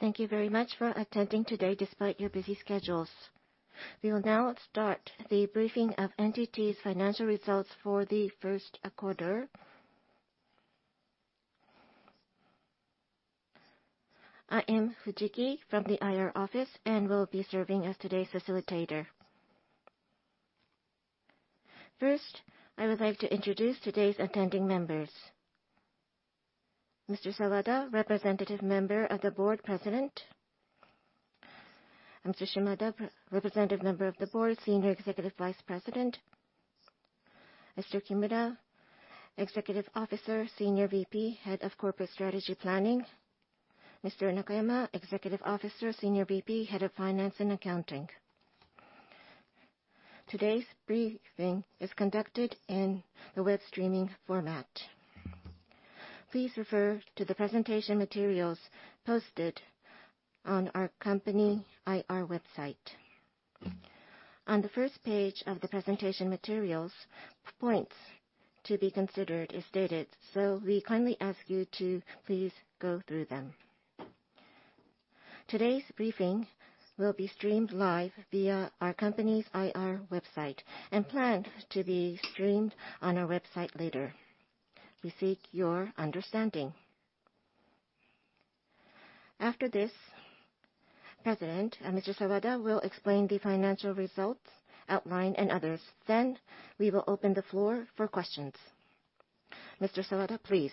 Thank you very much for attending today despite your busy schedules. We will now start the briefing of NTT's financial results for the first quarter. I am Fujiki from the IR office and will be serving as today's facilitator. First, I would like to introduce today's attending members. Mr. Sawada, Representative Member of the Board, President. Mr. Shimada, Representative Member of the Board, Senior Executive Vice President. Mr. Kimura, Executive Officer, Senior VP, Head of Corporate Strategy Planning. Mr. Nakayama, Executive Officer, Senior VP, Head of Finance and Accounting. Today's briefing is conducted in the web streaming format. Please refer to the presentation materials posted on our company IR website. On the first page of the presentation materials, points to be considered is stated, so we kindly ask you to please go through them. Today's briefing will be streamed live via our company's IR website and planned to be streamed on our website later. We seek your understanding. After this, President Mr. Sawada will explain the financial results, outline, and others. We will open the floor for questions. Mr. Sawada, please.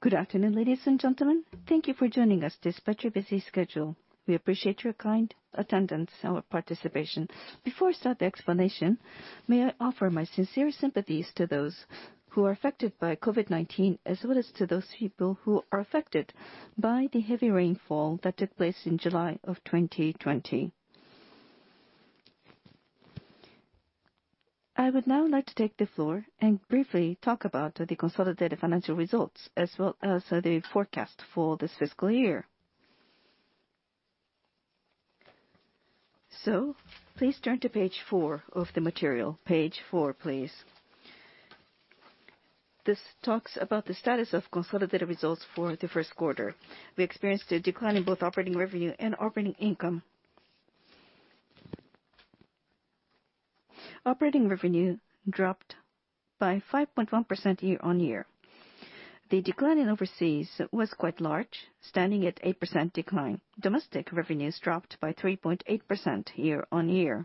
Good afternoon, ladies and gentlemen. Thank you for joining us despite your busy schedule. We appreciate your kind attendance, our participation. Before I start the explanation, may I offer my sincere sympathies to those who are affected by COVID-19, as well as to those people who are affected by the heavy rainfall that took place in July of 2020. I would now like to take the floor and briefly talk about the consolidated financial results, as well as the forecast for this fiscal year. Please turn to page four of the material. Page four, please. This talks about the status of consolidated results for the first quarter. We experienced a decline in both operating revenue and operating income. Operating revenue dropped by 5.1% year-on-year. The decline in overseas was quite large, standing at 8% decline. Domestic revenues dropped by 3.8% year-on-year.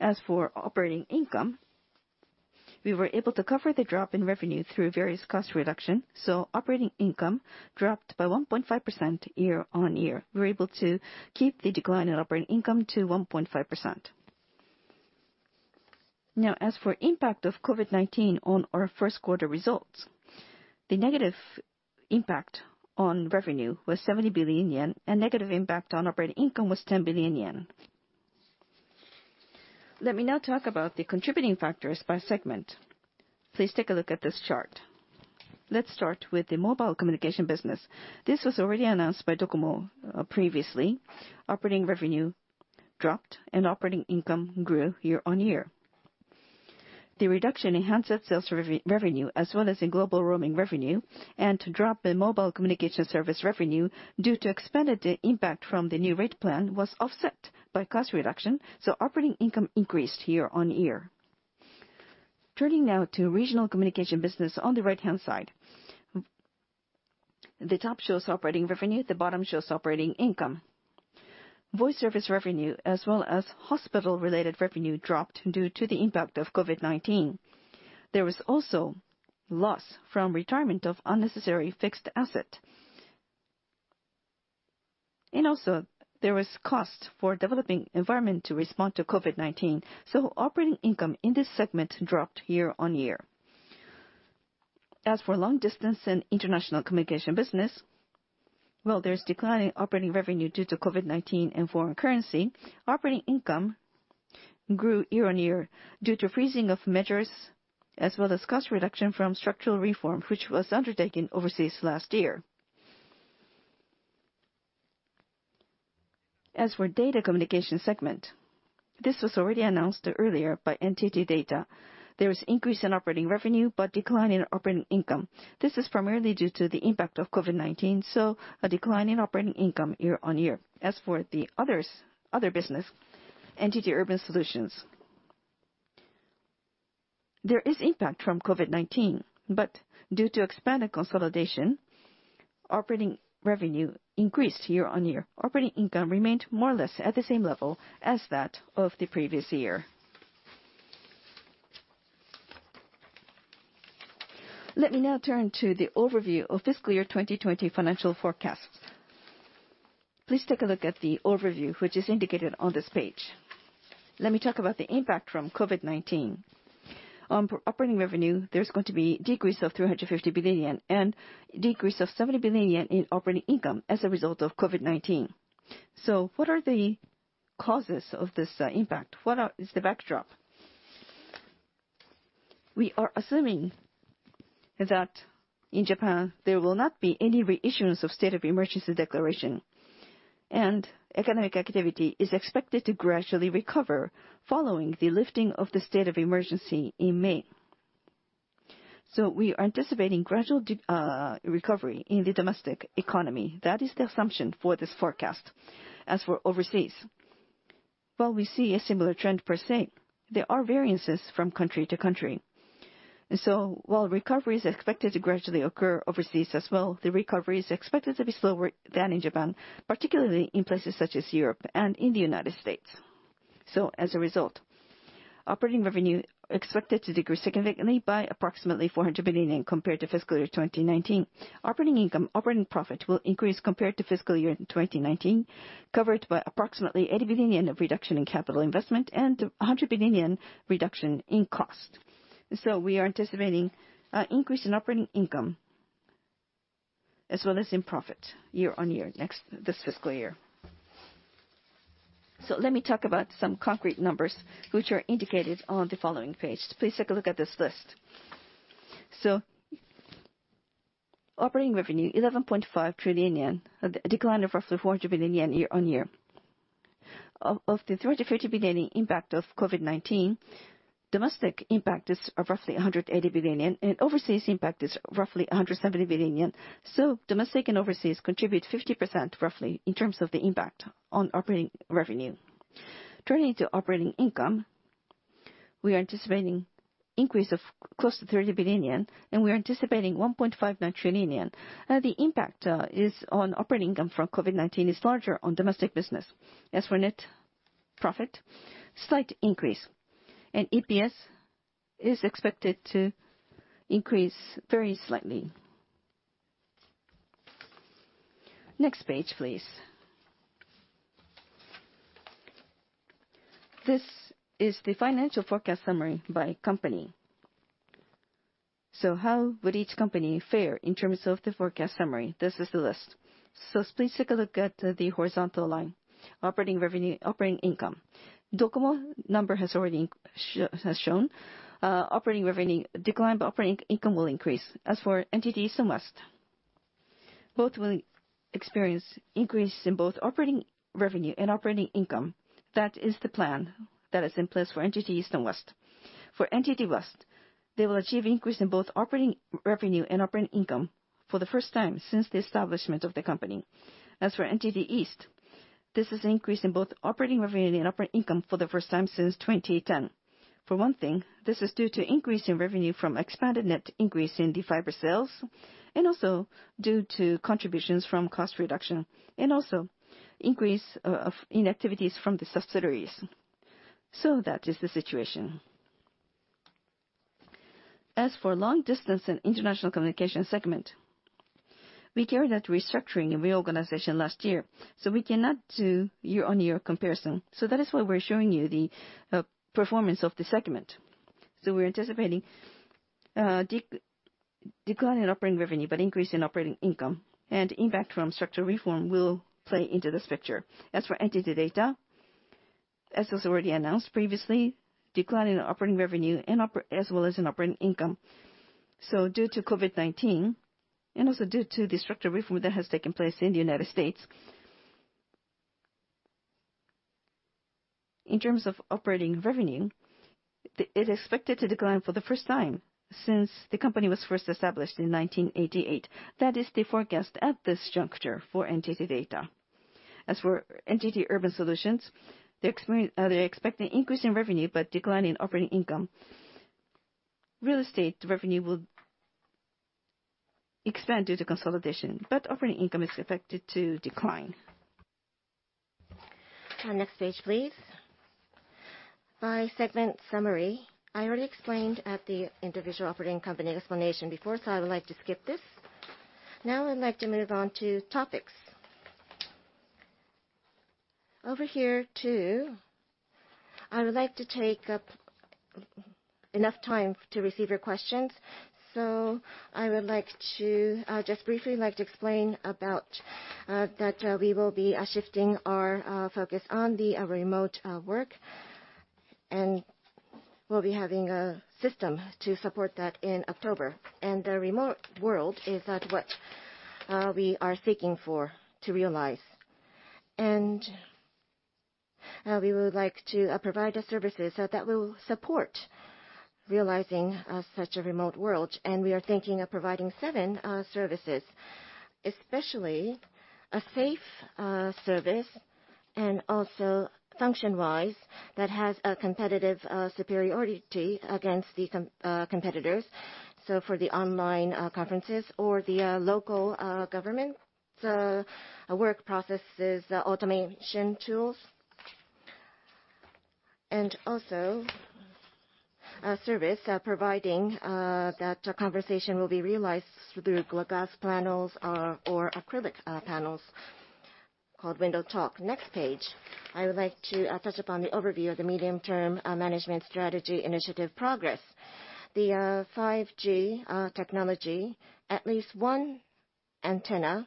As for operating income, we were able to cover the drop in revenue through various cost reduction, so operating income dropped by 1.5% year-on-year. We were able to keep the decline in operating income to 1.5%. As for impact of COVID-19 on our first quarter results, the negative impact on revenue was 70 billion yen, and negative impact on operating income was 10 billion yen. Let me now talk about the contributing factors by segment. Please take a look at this chart. Let's start with the mobile communication business. This was already announced by DOCOMO previously. Operating revenue dropped and operating income grew year-on-year. The reduction in handset sales revenue, as well as in global roaming revenue, and drop in mobile communication service revenue due to expanded impact from the new rate plan was offset by cost reduction, so operating income increased year-on-year. Turning now to Regional Communications business on the right-hand side. The top shows operating revenue, the bottom shows operating income. Voice service revenue, as well as hospital-related revenue, dropped due to the impact of COVID-19. There was also loss from retirement of unnecessary fixed asset. There was cost for developing environment to respond to COVID-19, so operating income in this segment dropped year-on-year. Long distance and international communication business, while there is decline in operating revenue due to COVID-19 and foreign currency, operating income grew year-on-year due to freezing of measures, as well as cost reduction from structural reform, which was undertaken overseas last year. Data communication segment, this was already announced earlier by NTT DATA. There is increase in operating revenue, but decline in operating income. This is primarily due to the impact of COVID-19, so a decline in operating income year-on-year. As for the other business, NTT Urban Solutions, there is impact from COVID-19. Due to expanded consolidation, operating revenue increased year-on-year. Operating income remained more or less at the same level as that of the previous year. Let me now turn to the overview of fiscal year 2020 financial forecasts. Please take a look at the overview, which is indicated on this page. Let me talk about the impact from COVID-19. On operating revenue, there's going to be decrease of 350 billion yen and decrease of 70 billion yen in operating income as a result of COVID-19. What are the causes of this impact? What is the backdrop? We are assuming that in Japan, there will not be any reissuance of state of emergency declaration. Economic activity is expected to gradually recover following the lifting of the state of emergency in May. We are anticipating gradual recovery in the domestic economy. That is the assumption for this forecast. For overseas, while we see a similar trend per se, there are variances from country to country. While recovery is expected to gradually occur overseas as well, the recovery is expected to be slower than in Japan, particularly in places such as Europe and in the United States As a result, operating revenue expected to decrease significantly by approximately 400 billion yen compared to fiscal year 2019. Operating income, operating profit will increase compared to fiscal year 2019, covered by approximately 80 billion yen of reduction in CapEx and 100 billion yen reduction in cost. We are anticipating an increase in operating income, as well as in profit year-on-year this fiscal year. Let me talk about some concrete numbers, which are indicated on the following page. Please take a look at this list. Operating revenue 11.5 trillion yen, a decline of roughly 400 billion yen year-on-year. Of the 350 billion yen impact of COVID-19, domestic impact is roughly 180 billion yen, and overseas impact is roughly 170 billion yen. Domestic and overseas contribute 50% roughly in terms of the impact on operating revenue. Turning to operating income, we are anticipating increase of close to 30 billion yen, and we are anticipating 1.59 trillion yen. The impact on operating income from COVID-19 is larger on domestic business. As for net profit, slight increase. EPS is expected to increase very slightly. Next page, please. This is the financial forecast summary by company. How would each company fare in terms of the forecast summary? This is the list. Please take a look at the horizontal line. Operating revenue, operating income. DOCOMO number has shown, operating revenue decline, but operating income will increase. As for NTT East and West, both will experience increases in both operating revenue and operating income. That is the plan that is in place for NTT East and West. For NTT West, they will achieve increase in both operating revenue and operating income for the first time since the establishment of the company. As for NTT East, this is an increase in both operating revenue and operating income for the first time since 2010. For one thing, this is due to increase in revenue from expanded net increase in the fiber sales, and also due to contributions from cost reduction, and also increase in activities from the subsidiaries. That is the situation. For long distance and international communication segment, we carried out restructuring and reorganization last year. We cannot do year-over-year comparison. That is why we're showing you the performance of the segment. We're anticipating a decline in operating revenue, but increase in operating income. Impact from Structural Reform will play into this picture. NTT DATA, as was already announced previously, decline in operating revenue as well as in operating income. Due to COVID-19, and also due to the Structural Reform that has taken place in the United States In terms of operating revenue, it is expected to decline for the first time since the company was first established in 1988. That is the forecast at this juncture for NTT DATA. NTT Urban Solutions, they're expecting increase in revenue, but decline in operating income. Real estate revenue will expand due to consolidation, but operating income is expected to decline. Next page, please. By segment summary. I already explained at the individual operating company explanation before, so I would like to skip this. Now I'd like to move on to topics. Over here, too, I would like to take up enough time to receive your questions. I would just briefly like to explain about that we will be shifting our focus on the remote work, and we'll be having a system to support that in October. The remote world is that what we are seeking for to realize. We would like to provide services that will support realizing such a remote world. We are thinking of providing seven services, especially a safe service, and also function-wise, that has a competitive superiority against the competitors. For the online conferences or the local government work processes, automation tools. A service providing that conversation will be realized through glass panels or acrylic panels called Window Talk. Next page. I would like to touch upon the overview of the medium-term management strategy initiative progress. The 5G technology, at least one antenna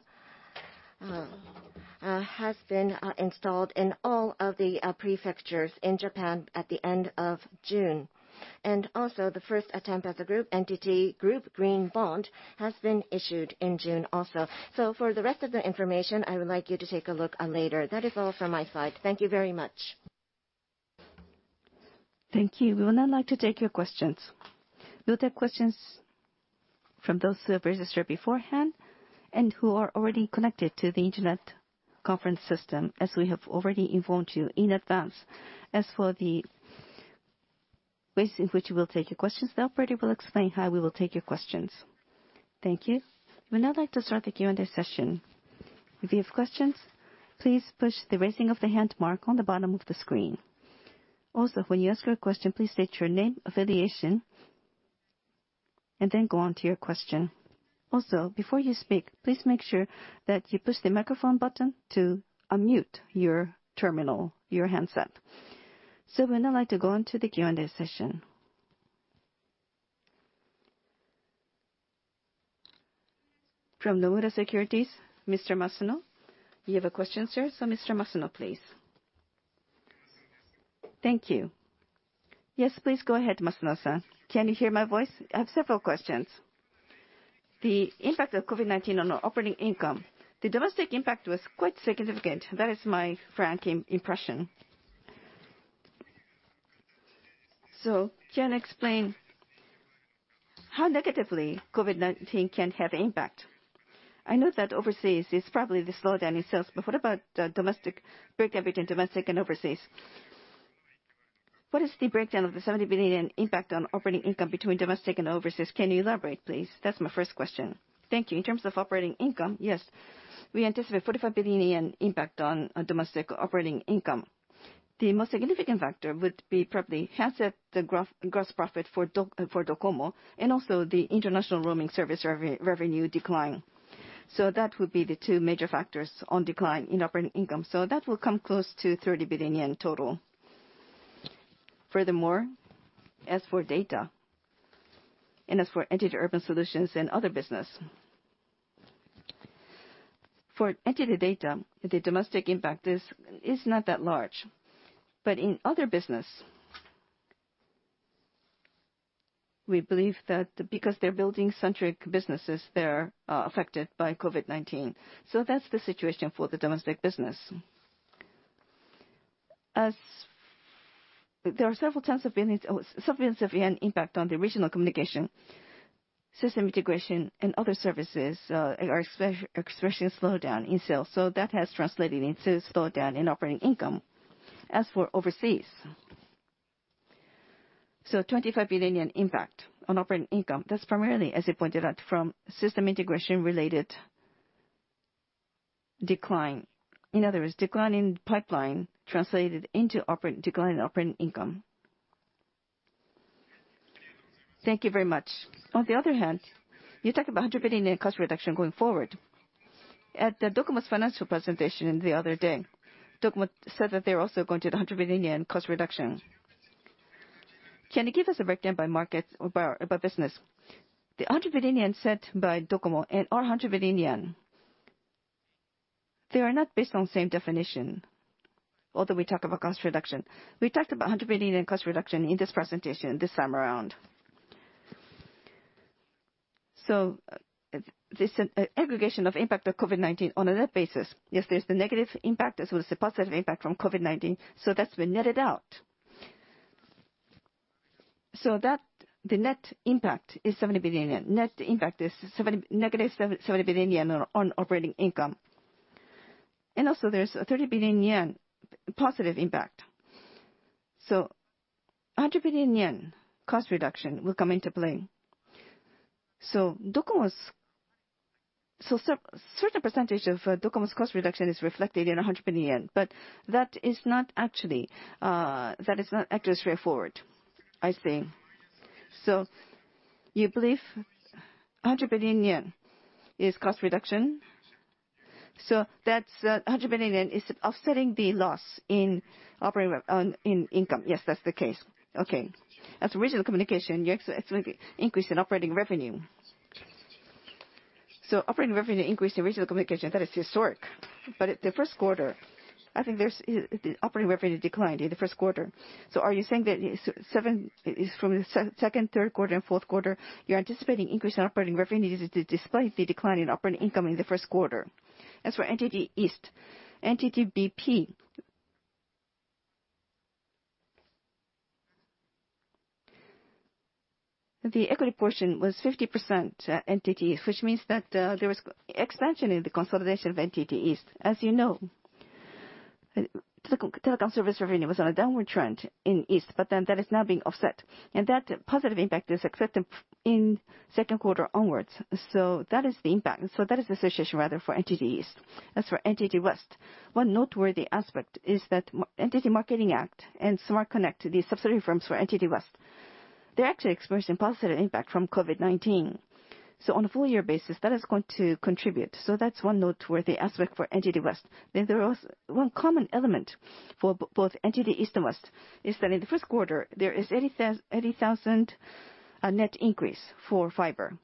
has been installed in all of the prefectures in Japan at the end of June. The first attempt at a group NTT, group green bond, has been issued in June also. For the rest of the information, I would like you to take a look later. That is all from my side. Thank you very much. Thank you. We would now like to take your questions. We'll take questions from those who have registered beforehand and who are already connected to the internet conference system, as we have already informed you in advance. As for the ways in which we will take your questions, the operator will explain how we will take your questions. Thank you. We would now like to start the Q&A session. If you have questions, please push the raising of the hand mark on the bottom of the screen. When you ask your question, please state your name, affiliation, and then go on to your question. Before you speak, please make sure that you push the microphone button to unmute your terminal, your handset. We would now like to go on to the Q&A session. From Nomura Securities, Mr. Masuno. You have a question, sir? Mr. Masuno, please. Thank you. Yes, please go ahead, Masuno-san. Can you hear my voice? I have several questions. The impact of COVID-19 on our operating income. The domestic impact was quite significant. That is my frank impression. Can you explain how negatively COVID-19 can have impact? I know that overseas is probably the slowdown in sales, but what about domestic, break between domestic and overseas? What is the breakdown of the 70 billion in impact on operating income between domestic and overseas? Can you elaborate, please? That's my first question. Thank you. In terms of operating income, yes, we anticipate 45 billion yen in impact on domestic operating income. The most significant factor would be probably handset, the gross profit for DOCOMO, and also the international roaming service revenue decline. That would be the two major factors on decline in operating income. That will come close to 30 billion yen total. As for NTT DATA and as for NTT Urban Solutions and other business, for NTT DATA, the domestic impact is not that large. In other business, we believe that because they're building centric businesses, they're affected by COVID-19. That's the situation for the domestic business. There are several tens of billions of JPY, or several billions of JPY impact on the Regional Communications system integration and other services are expressing a slowdown in sales. That has translated into a slowdown in operating income. As for overseas, so 25 billion yen impact on operating income. That's primarily, as you pointed out, from system integration-related decline. In other words, decline in pipeline translated into decline in operating income. Thank you very much. On the other hand, you talk about 100 billion in cost reduction going forward. At DOCOMO's financial presentation the other day, DOCOMO said that they're also going to do the 100 billion cost reduction. Can you give us a breakdown by market or by business? The 100 billion yen said by DOCOMO and our 100 billion yen, they are not based on the same definition, although we talk about cost reduction. We talked about 100 billion cost reduction in this presentation this time around. This aggregation of impact of COVID-19 on a net basis, yes, there's the negative impact, as well as the positive impact from COVID-19, so that's been netted out. The net impact is 70 billion yen. Net impact is negative 70 billion yen on operating income. Also, there's a 30 billion yen positive impact. 100 billion yen cost reduction will come into play. Certain percentage of DOCOMO's cost reduction is reflected in 100 billion, but that is not actually straightforward, I think. You believe 100 billion yen is cost reduction? That 100 billion yen is offsetting the loss in income. Yes, that's the case. Okay. As Regional Communications, you actually increased in operating revenue. Operating revenue increased in Regional Communications, that is historic. At the first quarter, I think the operating revenue declined in the first quarter. Are you saying that from the second, third quarter, and fourth quarter, you're anticipating increase in operating revenue despite the decline in operating income in the first quarter? As for NTT East, NTT BP, the equity portion was 50% NTT, which means that there was expansion in the consolidation of NTT East. As you know, telecom service revenue was on a downward trend in East, that is now being offset. That positive impact is accepted in second quarter onwards. That is the impact. That is the situation rather for NTT East. As for NTT West, one noteworthy aspect is that NTT Marketing Act and NTT SmartConnect, the subsidiary firms for NTT West, they're actually experiencing positive impact from COVID-19. On a full year basis, that is going to contribute. That's one noteworthy aspect for NTT West. There is one common element for both NTT East and West, is that in the first quarter, there is 80,000 net increase for fiber.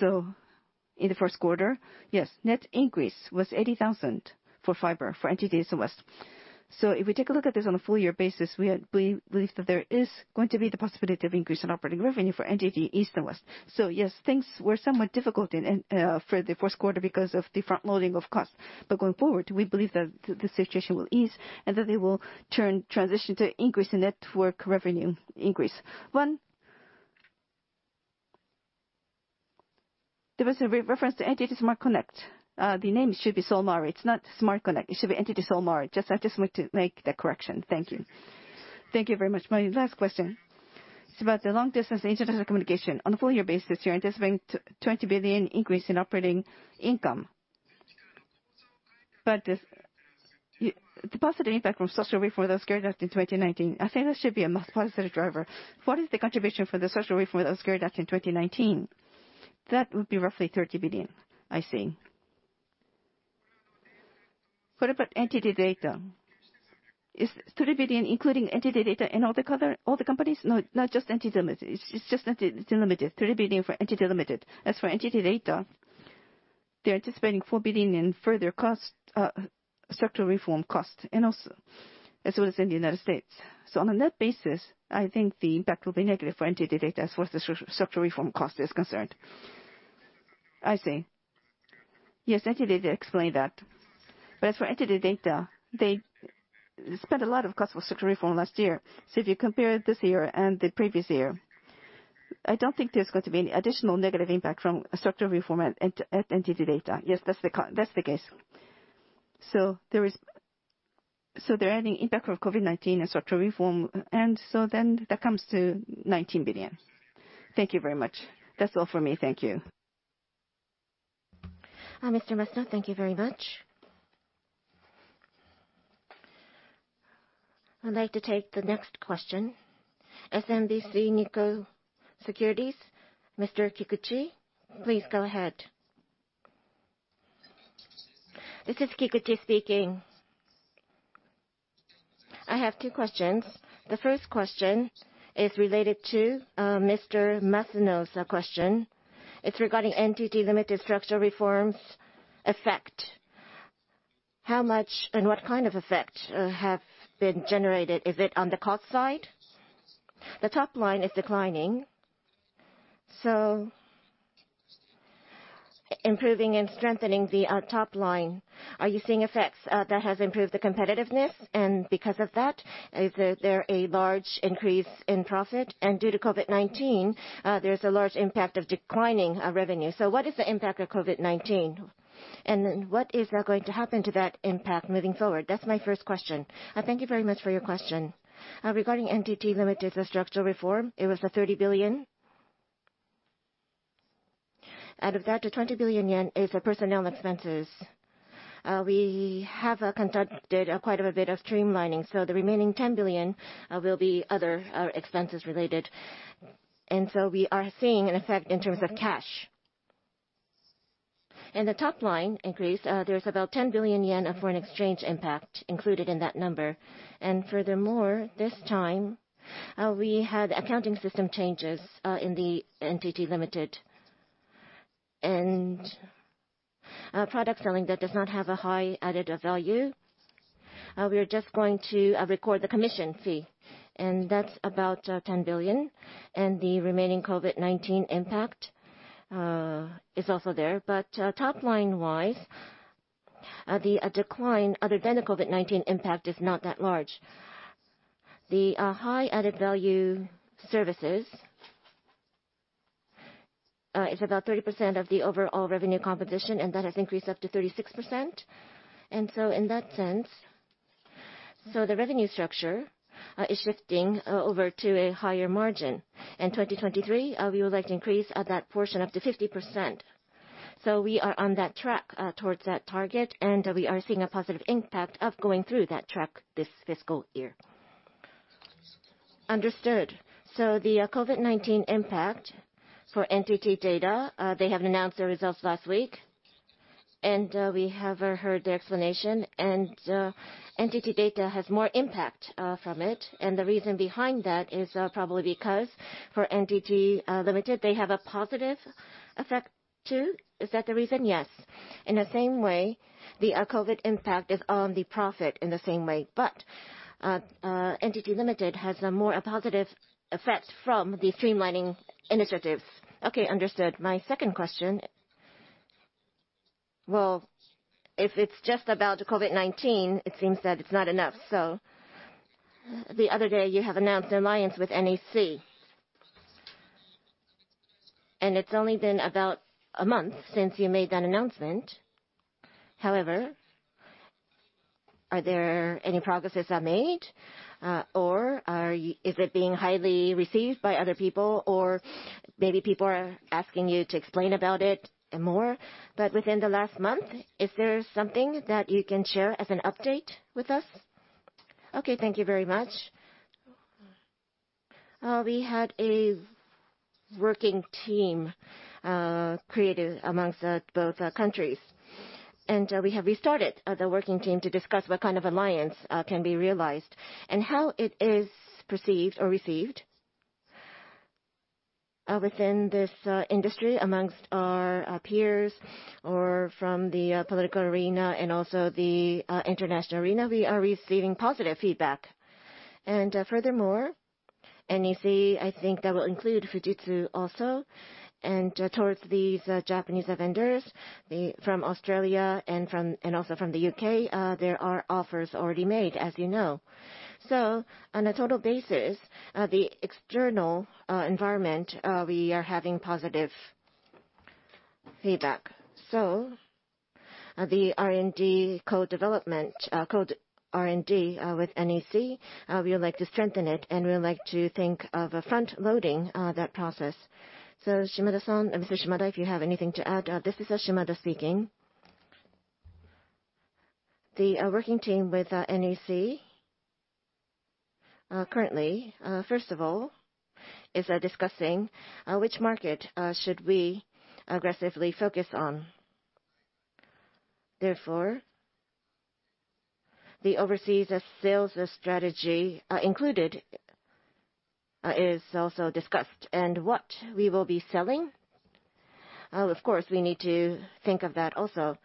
In the first quarter? Yes. Net increase was 80,000 for fiber for NTT East and West. If we take a look at this on a full year basis, we believe that there is going to be the possibility of increase in operating revenue for NTT East and West. Yes, things were somewhat difficult for the first quarter because of the front loading of costs. Going forward, we believe that the situation will ease and that they will transition to increase in network revenue increase. There was a reference to NTT Smart Connect. The name should be NTT Solmare. It's not Smart Connect. It should be NTT Solmare. I just want to make that correction. Thank you. Thank you very much. My last question is about the long distance internet communication. On a full year basis, you're anticipating 20 billion increase in operating income. The positive impact from Structural Reform for those carried out in 2019, I think that should be a positive driver. What is the contribution for the social reform for those carried out in 2019? That would be roughly 30 billion, I think. What about NTT DATA? Is 30 billion including NTT DATA and all the companies? No, it's just NTT Ltd., 30 billion for NTT Ltd. As for NTT DATA, they're anticipating 4 billion in further structural reform cost, and also as well as in the United States. On a net basis, I think the impact will be negative for NTT DATA as far as the structural reform cost is concerned. I see. Yes, NTT DATA explained that. As for NTT DATA, they spent a lot of cost for structural reform last year. If you compare this year and the previous year, I don't think there's going to be any additional negative impact from structural reform at NTT DATA. Yes, that's the case. They're adding impact from COVID-19 and structural reform, and that comes to 19 billion. Thank you very much. That's all for me. Thank you. Mr. Masuno, thank you very much. I'd like to take the next question. SMBC Nikko Securities, Mr. Kikuchi, please go ahead. This is Kikuchi speaking. I have two questions. The first question is related to Mr. Masuno's question. It's regarding NTT Ltd. structural reform effect. How much and what kind of effect have been generated? Is it on the cost side? The top line is declining, so improving and strengthening the top line. Are you seeing effects that have improved the competitiveness? Because of that, is there a large increase in profit? Due to COVID-19, there's a large impact of declining revenue. What is the impact of COVID-19? What is going to happen to that impact moving forward? That's my first question. Thank you very much for your question. Regarding NTT Ltd., the structural reform, it was 30 billion. Out of that, 20 billion yen is personnel expenses. We have conducted quite a bit of streamlining, the remaining 10 billion will be other expenses related. We are seeing an effect in terms of cash. In the top line increase, there is about 10 billion yen of foreign exchange impact included in that number. Furthermore, this time, we had accounting system changes in the NTT Ltd. Product selling that does not have a high additive value, we are just going to record the commission fee, and that's about 10 billion, and the remaining COVID-19 impact is also there. Top line wise, the decline, other than the COVID-19 impact, is not that large. The high added value services is about 30% of the overall revenue composition, and that has increased up to 36%. In that sense, the revenue structure is shifting over to a higher margin. In 2023, we would like to increase that portion up to 50%. We are on that track towards that target, and we are seeing a positive impact of going through that track this fiscal year. Understood. The COVID-19 impact for NTT DATA, they have announced their results last week, and we have heard their explanation, and NTT DATA has more impact from it. The reason behind that is probably because for NTT Ltd., they have a positive effect too. Is that the reason? Yes. In the same way, the COVID-19 impact is on the profit in the same way. NTT Ltd. has a more positive effect from the streamlining initiatives. Okay, understood. My second question. Well, if it's just about COVID-19, it seems that it's not enough. The other day, you have announced an alliance with NEC. It's only been about a month since you made that announcement. However, are there any progress made? Is it being highly received by other people? Maybe people are asking you to explain about it more? Within the last month, is there something that you can share as an update with us? Okay, thank you very much. We had a working team created amongst both countries. We have restarted the working team to discuss what kind of alliance can be realized and how it is perceived or received within this industry, amongst our peers or from the political arena and also the international arena. We are receiving positive feedback. Furthermore, NEC, I think that will include Fujitsu also. Towards these Japanese vendors from Australia and also from the U.K., there are offers already made, as you know. On a total basis, the external environment, we are having positive feedback. The R&D co-development, co-R&D with NEC, we would like to strengthen it, and we would like to think of front-loading that process. Shimada-san, Mr. Shimada, if you have anything to add? This is Shimada speaking. The working team with NEC, currently, first of all, is discussing which market should we aggressively focus on. The overseas sales strategy included is also discussed. What we will be selling, of course, we need to think of that also.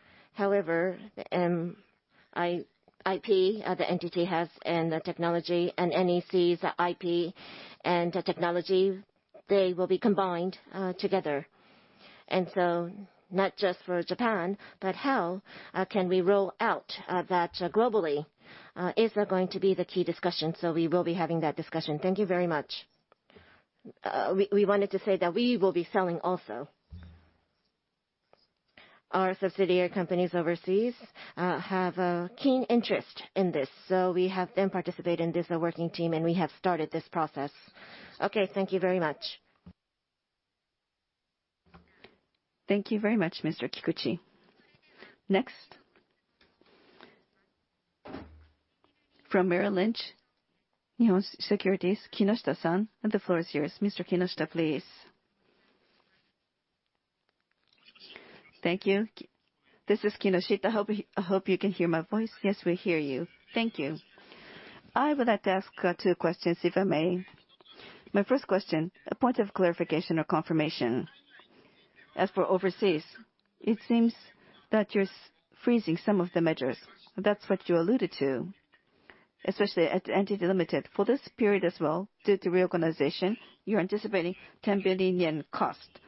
IP the entity has and the technology, and NEC's IP and technology, they will be combined together. Not just for Japan, but how can we roll out that globally is going to be the key discussion. We will be having that discussion. Thank you very much. We wanted to say that we will be selling also. Our subsidiary companies overseas have a keen interest in this, so we have them participate in this working team, and we have started this process. Okay, thank you very much. Thank you very much, Mr. Kikuchi. Next, from Merrill Lynch Japan Securities, Kinoshita-san, the floor is yours. Mr. Kinoshita, please. Thank you. This is Kinoshita. Hope you can hear my voice. Yes, we hear you. Thank you. I would like to ask two questions, if I may. My first question, a point of clarification or confirmation. As for overseas, it seems that you're freezing some of the measures. That's what you alluded to, especially at NTT Ltd. For this period as well, due to reorganization, you're anticipating 10 billion yen cost.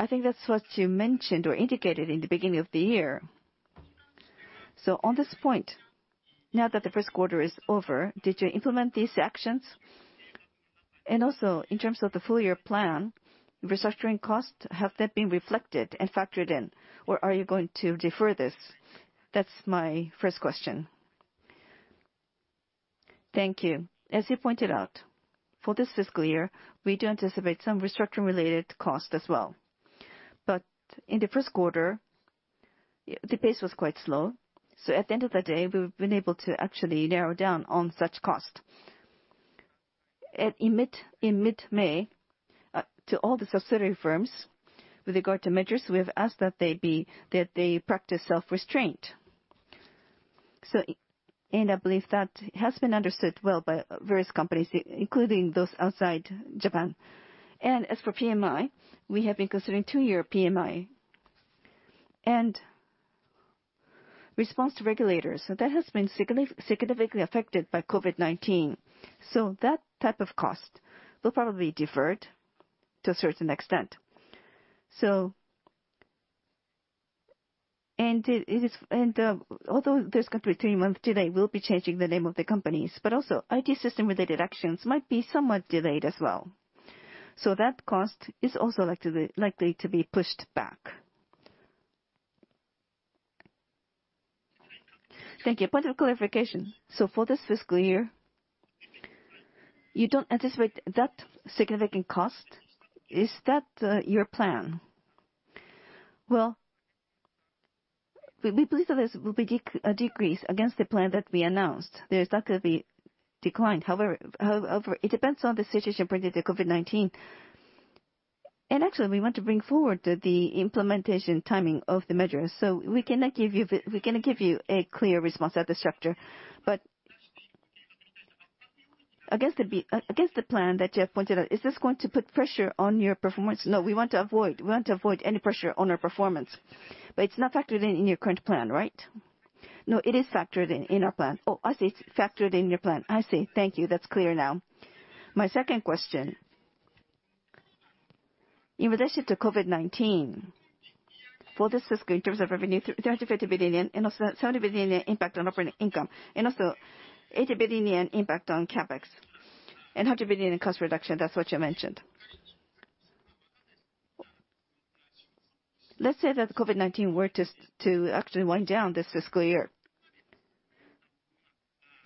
I think that's what you mentioned or indicated in the beginning of the year. On this point, now that the first quarter is over, did you implement these actions? In terms of the full-year plan, restructuring costs, have they been reflected and factored in, or are you going to defer this? That's my first question. Thank you. As you pointed out, for this fiscal year, we do anticipate some restructuring-related costs as well. In the first quarter, the pace was quite slow. At the end of the day, we've been able to actually narrow down on such cost. In mid-May, to all the subsidiary firms, with regard to measures, we have asked that they practice self-restraint. I believe that has been understood well by various companies, including those outside Japan. As for PMI, we have been considering two-year PMI and response to regulators. That has been significantly affected by COVID-19. That type of cost will probably be deferred to a certain extent. Although this company, three months today, will be changing the name of the companies, but also IT system-related actions might be somewhat delayed as well. That cost is also likely to be pushed back. Thank you. Point of clarification. For this fiscal year, you don't anticipate that significant cost? Is that your plan? ' Well, we believe that this will decrease against the plan that we announced. This is not going to be declined. It depends on the situation related to COVID-19. Actually, we want to bring forward the implementation timing of the measures. We cannot give you a clear response at this juncture. Against the plan that you have pointed out, is this going to put pressure on your performance? No, we want to avoid any pressure on our performance. It's not factored in in your current plan, right? No, it is factored in in our plan. Oh, I see. It's factored in your plan. I see. Thank you. That's clear now. My second question, in relation to COVID-19, for this fiscal year, in terms of revenue, 30 billion-50 billion yen and 70 billion yen impact on operating income, and also 80 billion yen impact on CapEx and 100 billion yen in cost reduction. That's what you mentioned. Let's say that COVID-19 were to actually wind down this fiscal year.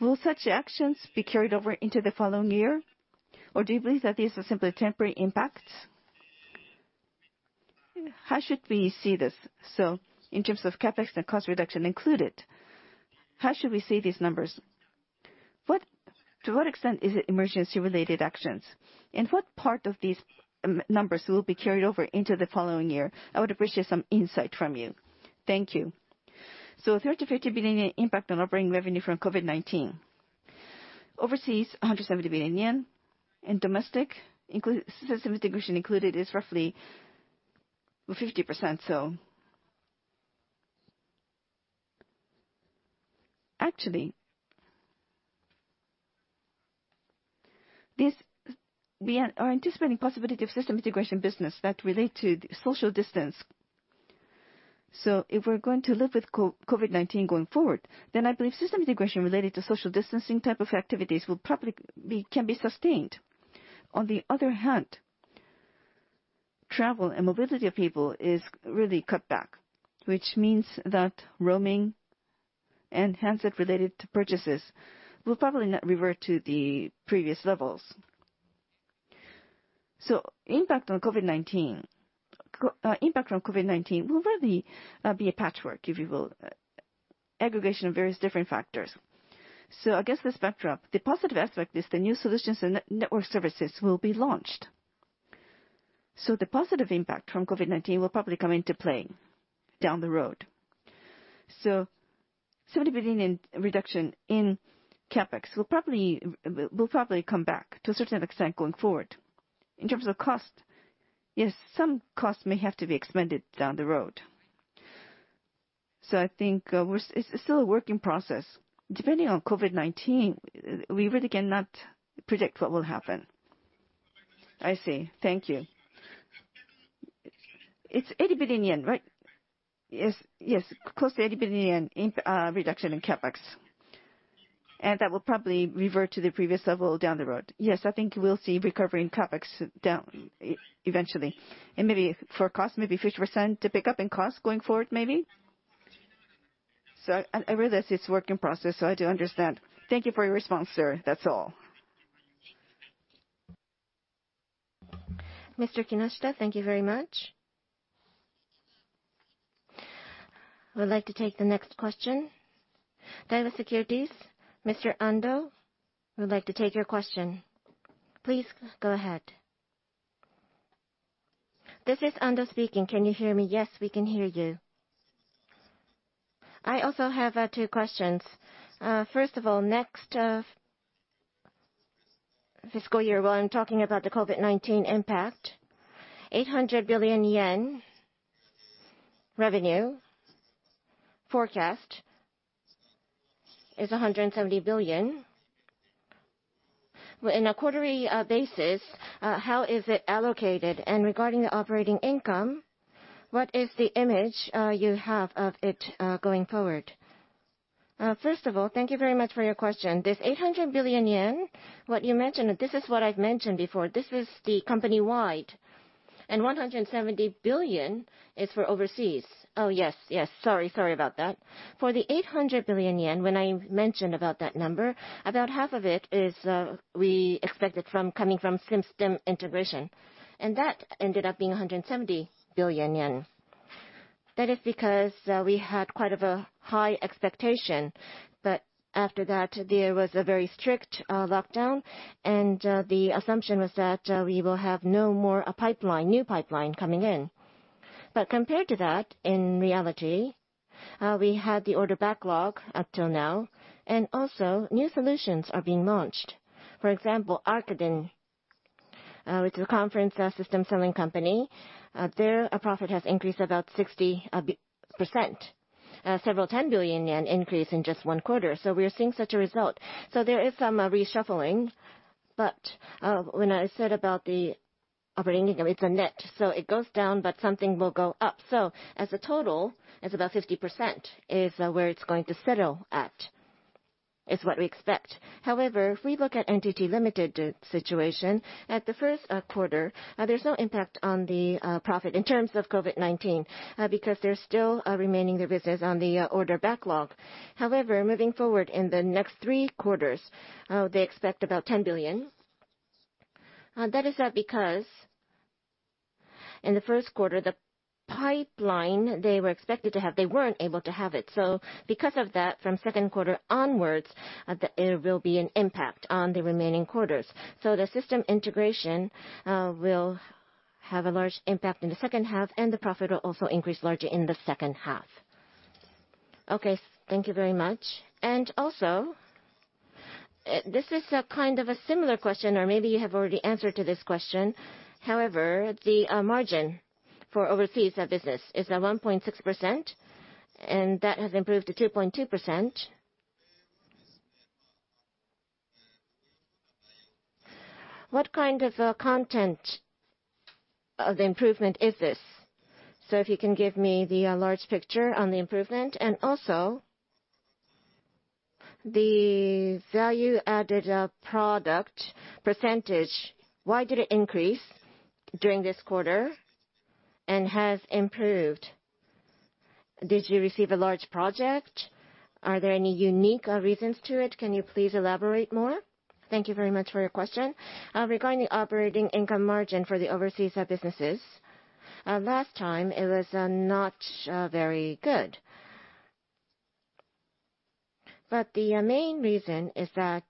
Will such actions be carried over into the following year, or do you believe that these are simply temporary impacts? How should we see this? In terms of CapEx and cost reduction included, how should we see these numbers? To what extent is it emergency-related actions? What part of these numbers will be carried over into the following year? I would appreciate some insight from you. Thank you. 30 billion-50 billion yen impact on operating revenue from COVID-19. Overseas, 170 billion yen. Domestic, system integration included, is roughly 50%. Actually, we are anticipating possibility of system integration business that relate to social distancing. If we're going to live with COVID-19 going forward, then I believe system integration related to social distancing type of activities can be sustained. On the other hand, travel and mobility of people is really cut back, which means that roaming and handset related to purchases will probably not revert to the previous levels. Impact from COVID-19 will really be a patchwork, if you will, aggregation of various different factors. Against this backdrop, the positive aspect is the new solutions and network services will be launched. The positive impact from COVID-19 will probably come into play down the road. 70 billion in reduction in CapEx will probably come back to a certain extent going forward. In terms of cost, yes, some costs may have to be expended down the road. I think it's still a work in process. Depending on COVID-19, we really cannot predict what will happen. I see. Thank you. It's 80 billion yen, right? Yes. Close to 80 billion yen in reduction in CapEx. That will probably revert to the previous level down the road. Yes, I think we'll see recovery in CapEx eventually. Maybe for cost, maybe 50% to pick up in cost going forward, maybe. I realize it's work in process, so I do understand. Thank you for your response, sir. That's all. Mr. Kinoshita, thank you very much. I would like to take the next question. Daiwa Securities, Mr. Ando, I would like to take your question. Please go ahead. This is Ando speaking. Can you hear me? Yes, we can hear you. I also have two questions. First of all, next fiscal year, while I'm talking about the COVID-19 impact, 800 billion yen revenue forecast is 170 billion. In a quarterly basis, how is it allocated? Regarding the operating income, what is the image you have of it going forward? First of all, thank you very much for your question. This 800 billion yen, what you mentioned, this is what I've mentioned before. This is the company-wide, and 170 billion is for overseas. Oh, yes. Sorry about that. For the 800 billion yen, when I mentioned about that number, about half of it is we expected from coming from system integration, and that ended up being 170 billion yen. That is because we had quite a high expectation. After that, there was a very strict lockdown, and the assumption was that we will have no more new pipeline coming in. Compared to that, in reality, we had the order backlog up till now, and also new solutions are being launched. For example, Arkadin, which is a conference system selling company, their profit has increased about 60%, several 10 billion yen increase in just one quarter. We are seeing such a result. There is some reshuffling. When I said about the operating income, it's a net, so it goes down, but something will go up. As a total, it's about 50% is where it's going to settle at, is what we expect. If we look at NTT Ltd. situation, at the first quarter, there's no impact on the profit in terms of COVID-19, because there's still remaining business on the order backlog. Moving forward in the next three quarters, they expect about 10 billion. That is because in the first quarter, the pipeline they were expected to have, they weren't able to have it. Because of that, from second quarter onwards, there will be an impact on the remaining quarters. The system integration will have a large impact in the second half, and the profit will also increase larger in the second half. Okay. Thank you very much. This is a kind of a similar question, or maybe you have already answered to this question. The margin for overseas business is at 1.6%, and that has improved to 2.2%. What kind of content of improvement is this? If you can give me the large picture on the improvement. The value added product percentage, why did it increase during this quarter and has improved? Did you receive a large project? Are there any unique reasons to it? Can you please elaborate more? Thank you very much for your question. Regarding the operating income margin for the overseas businesses, last time it was not very good. The main reason is that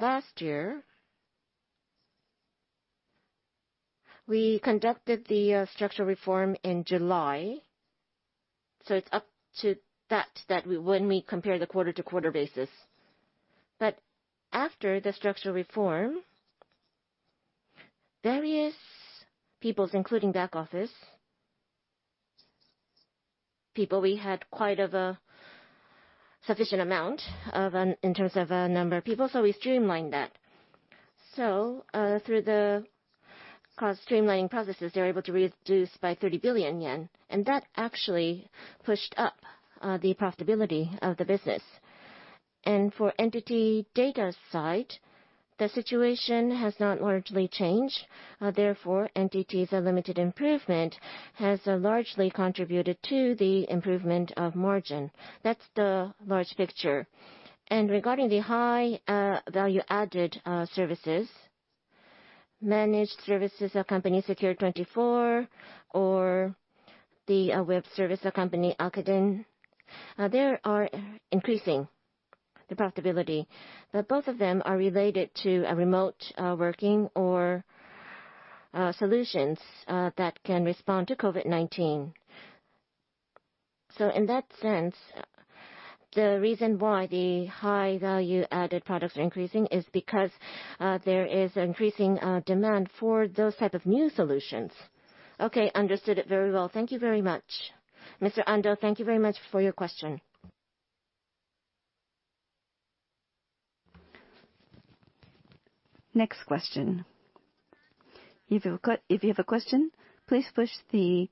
last year, we conducted the structural reform in July, so it's up to that when we compare the quarter-to-quarter basis. After the structural reform, various people, including back office people, we had a sufficient amount in terms of number of people. We streamlined that. Through the cost streamlining processes, they were able to reduce by 30 billion yen, and that actually pushed up the profitability of the business. For NTT DATA's side, the situation has not largely changed. Therefore, NTT Ltd.'s improvement has largely contributed to the improvement of margin. That's the large picture. Regarding the high value-added services, managed services company Secure-24, or the web service company Arkadin. They are increasing the profitability. Both of them are related to remote working or solutions that can respond to COVID-19. In that sense, the reason why the high value-added products are increasing is because there is increasing demand for those type of new solutions. Okay, understood it very well. Thank you very much. Mr. Ando, thank you very much for your question. Next question. If you have a question, please push the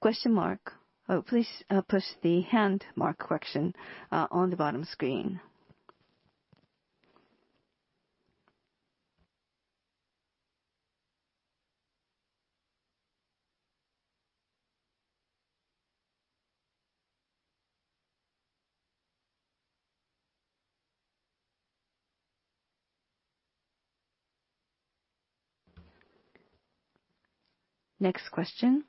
question mark. Please push the hand mark, correction, on the bottom screen. Next question from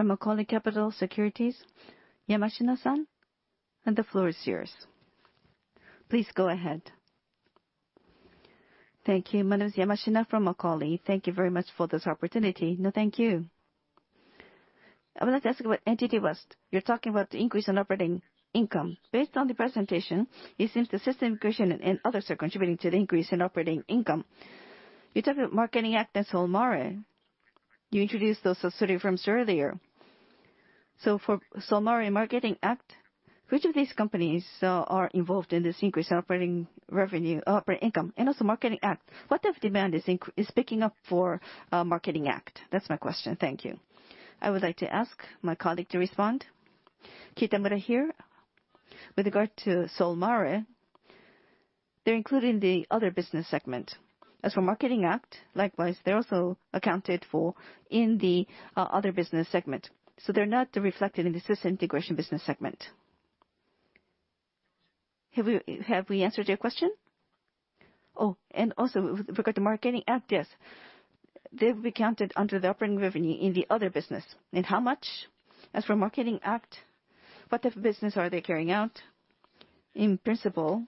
Macquarie Capital Securities, Yamashina-san. The floor is yours. Please go ahead. Thank you. My name is Yamashina from Macquarie. Thank you very much for this opportunity. No, thank you. I would like to ask about NTT West. You're talking about the increase in operating income. Based on the presentation, it seems the system integration and others are contributing to the increase in operating income. You talked about Marketing Act and Solmare. You introduced those subsidiary firms earlier. For Solmare and Marketing Act, which of these companies are involved in this increase in operating revenue, operating income? Marketing Act, what type of demand is picking up for Marketing Act? That's my question. Thank you. I would like to ask my colleague to respond. Kitamura here. With regard to Solmare, they're included in the other business segment. As for Marketing Act, likewise, they're also accounted for in the other business segment. They're not reflected in the system integration business segment. Have we answered your question? With regard to Marketing Act, yes. They'll be counted under the operating revenue in the other business. How much? As for Marketing Act, what type of business are they carrying out? In principle,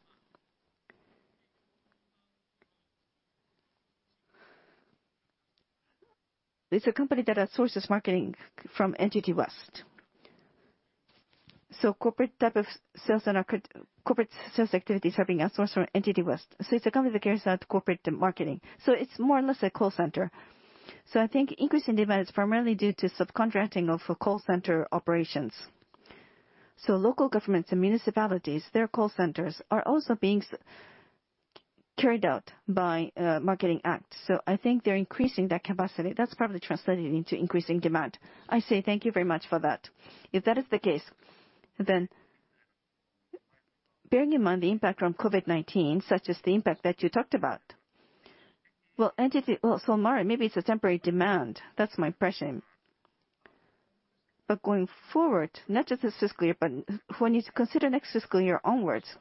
it's a company that outsources marketing from NTT West. Corporate sales activities are being outsourced from NTT West. It's a company that carries out corporate marketing, so it's more or less a call center. I think increase in demand is primarily due to subcontracting of call center operations. Local governments and municipalities, their call centers are also being carried out by Marketing Act. I think they're increasing that capacity. That's probably translating into increasing demand. I see. Thank you very much for that. If that is the case, bearing in mind the impact from COVID-19, such as the impact that you talked about. Solmare, maybe it's a temporary demand. That's my impression. Going forward, not just this fiscal year, but when you consider next fiscal year onwards,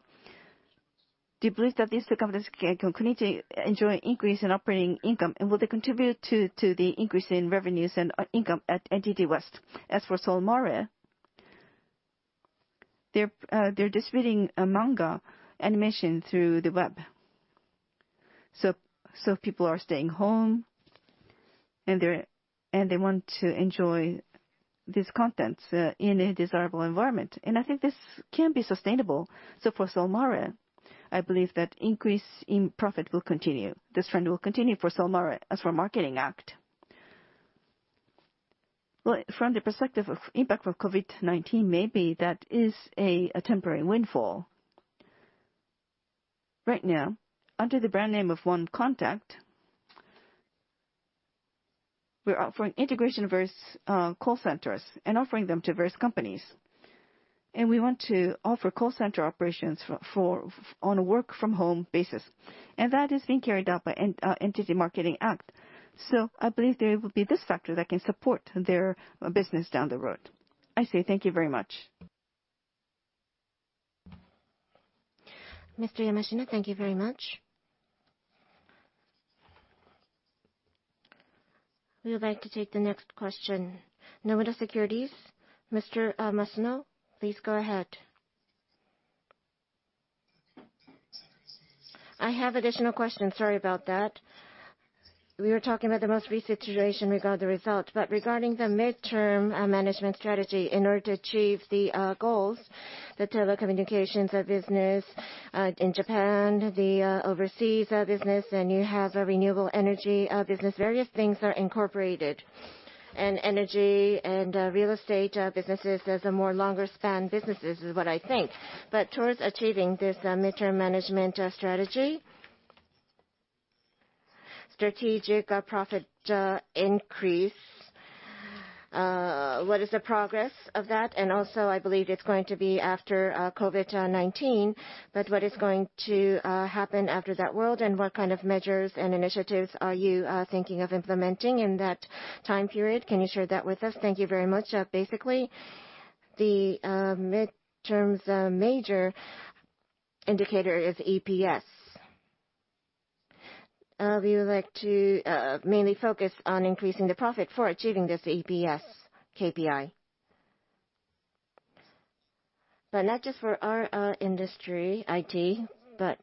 do you believe that these two companies can continue to enjoy an increase in operating income? Will they contribute to the increase in revenues and income at NTT West? As for Solmare, they're distributing manga animation through the web. People are staying home, and they want to enjoy these contents in a desirable environment, and I think this can be sustainable. For Solmare, I believe that increase in profit will continue. This trend will continue for Solmare. As for Marketing Act, well, from the perspective of impact of COVID-19, maybe that is a temporary windfall. Right now, under the brand name of One Contact, we're offering integration of various call centers and offering them to various companies. We want to offer call center operations on a work from home basis, and that is being carried out by NTT Marketing Act. I believe there will be this factor that can support their business down the road. I see. Thank you very much. Mr. Yamashina, thank you very much. We would like to take the next question. Nomura Securities, Mr. Masuno, please go ahead. I have additional questions. Sorry about that. We were talking about the most recent situation regarding the results, but regarding the midterm management strategy in order to achieve the goals, the telecommunications business in Japan, the overseas business, and you have a renewable energy business, various things are incorporated. Energy and real estate businesses as more longer span businesses, is what I think. Towards achieving this midterm management strategy, strategic profit increase, what is the progress of that? Also, I believe it's going to be after COVID-19, but what is going to happen after that world, and what kind of measures and initiatives are you thinking of implementing in that time period? Can you share that with us? Thank you very much. Basically, the midterm's major indicator is EPS. We would like to mainly focus on increasing the profit for achieving this EPS KPI. Not just for our industry, IT, but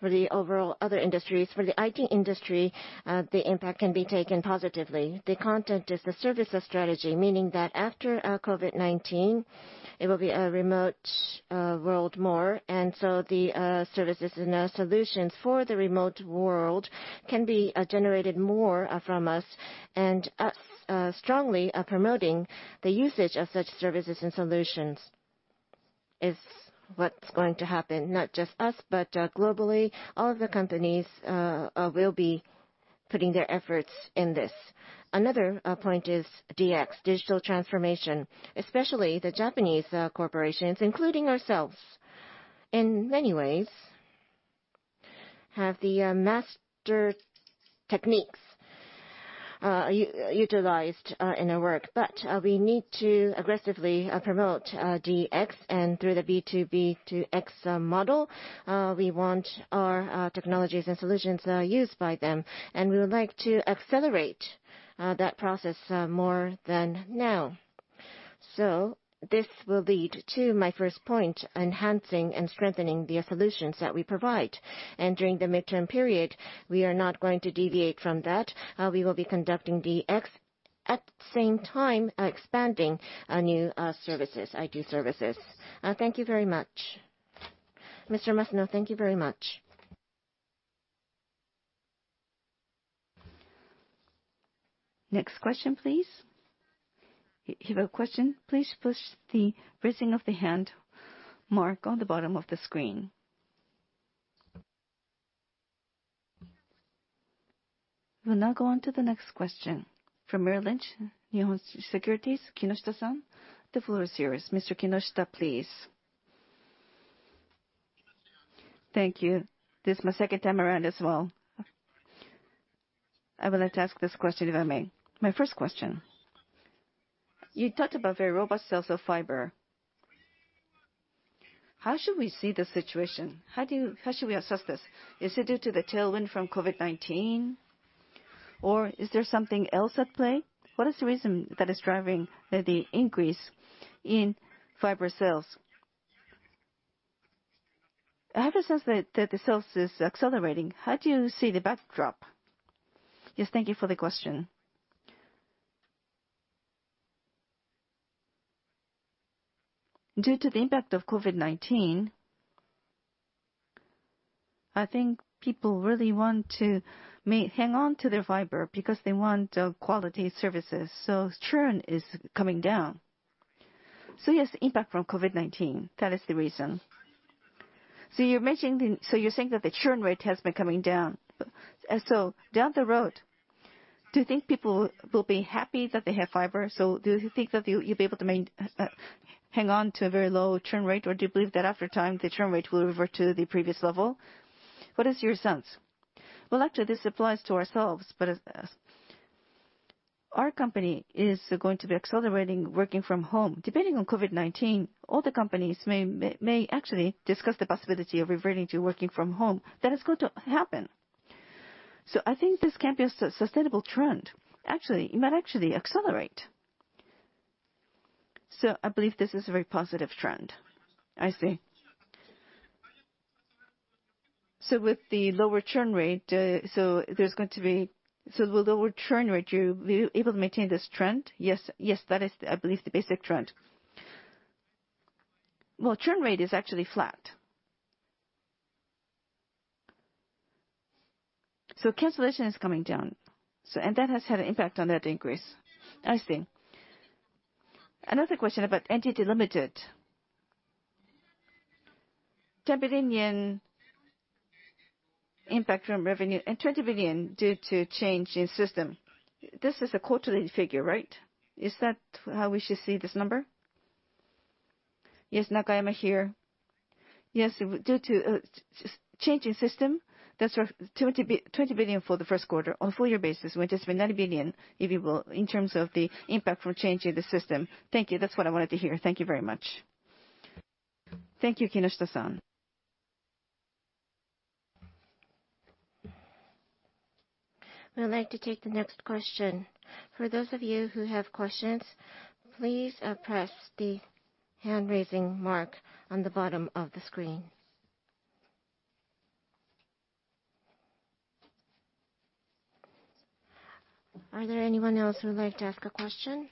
for the overall other industries. For the IT industry, the impact can be taken positively. The content is the services strategy, meaning that after COVID-19, it will be a remote world more, the services and solutions for the remote world can be generated more from us. Us strongly promoting the usage of such services and solutions is what's going to happen. Not just us, but globally, all of the companies will be putting their efforts in this. Another point is DX, digital transformation, especially the Japanese corporations, including ourselves, in many ways, have the master techniques utilized in our work. We need to aggressively promote DX, and through the B2B2X model, we want our technologies and solutions used by them. We would like to accelerate that process more than now. This will lead to my first point, enhancing and strengthening the solutions that we provide. During the midterm period, we are not going to deviate from that. We will be conducting DX, at the same time expanding new services, IT services. Thank you very much. Mr. Masuno, thank you very much. Next question, please. If you have a question, please push the raising of the hand mark on the bottom of the screen. We will now go on to the next question. From Merrill Lynch Japan Securities, Kinoshita-san, the floor is yours. Mr. Kinoshita, please. Thank you. This is my second time around as well. I would like to ask this question, if I may. My first question. You talked about very robust sales of fiber. How should we see the situation? How should we assess this? Is it due to the tailwind from COVID-19, or is there something else at play? What is the reason that is driving the increase in fiber sales? I have a sense that the sales is accelerating. How do you see the backdrop? Yes, thank you for the question. Due to the impact of COVID-19, I think people really want to hang on to their fiber because they want quality services, so churn is coming down. Yes, impact from COVID-19. That is the reason. You're saying that the churn rate has been coming down. Down the road, do you think people will be happy that they have fiber? Do you think that you'll be able to hang on to a very low churn rate, or do you believe that after time, the churn rate will revert to the previous level? What is your sense? Well, actually, this applies to ourselves, our company is going to be accelerating working from home. Depending on COVID-19, all the companies may actually discuss the possibility of reverting to working from home. That is going to happen. I think this can be a sustainable trend. Actually, it might actually accelerate. I believe this is a very positive trend. I see. With the lower churn rate, you're able to maintain this trend? Yes. That is, I believe, the basic trend. Churn rate is actually flat. Cancellation is coming down. That has had an impact on that increase. I see. Another question about NTT Ltd. 10 billion impact from revenue and 20 billion due to change in system. This is a quarterly figure, right? Is that how we should see this number? Yes, Nakayama here. Yes, due to change in system, that's 20 billion for the first quarter. On a full year basis, it will just be 90 billion, if you will, in terms of the impact from changing the system. Thank you. That's what I wanted to hear. Thank you very much. Thank you, Kinoshita-san. We would like to take the next question. For those of you who have questions, please press the hand-raising mark on the bottom of the screen. Are there anyone else who would like to ask a question?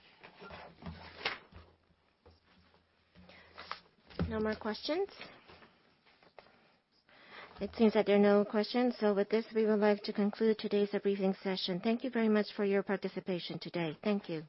No more questions? It seems that there are no questions, so with this, we would like to conclude today's briefing session. Thank you very much for your participation today. Thank you.